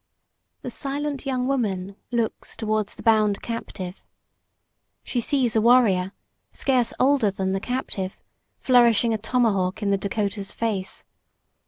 The silent young woman looks toward the bound captive. She sees a warrior, scarce older than the captive, flourishing a tomahawk in the Dakota's face.